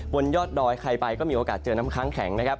บนยอดดอยใครไปก็มีโอกาสเจอน้ำค้างแข็งนะครับ